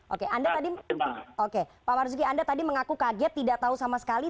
oke pak marzuki anda tadi mengaku kaget tidak tahu sama sekali